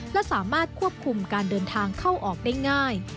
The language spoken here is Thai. และสามารถควบคุมการเดินทางเข้าออกได้ง่าย